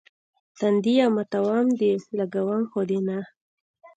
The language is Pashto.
تنديه ماتوم دي، لګومه خو دې نه.